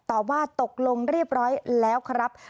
ตอบว่าตกลงเรียบร้อยแล้วครับ